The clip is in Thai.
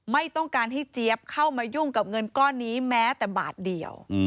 ไม่ต้องการให้เจี๊ยบเข้ามายุ่งกับเงินก้อนนี้แม้แต่บาทเดียว